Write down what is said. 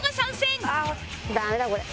ダメだこれ。